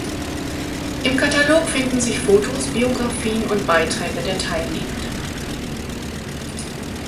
Im Katalog finden sich Fotos, Biographien und Beiträge der Teilnehmenden.